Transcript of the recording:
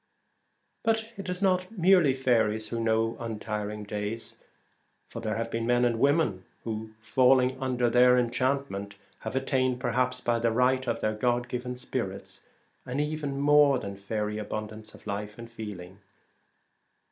But it is not merely faeries who know untiring days, for there have been men and women who, falling under their en 131 The chantment, have attained, perhaps by the Twilight, right of their God given spirits, an even more than faery abundance of life and feeling.